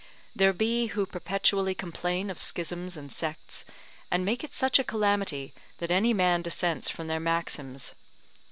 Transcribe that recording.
There be who perpetually complain of schisms and sects, and make it such a calamity that any man dissents from their maxims.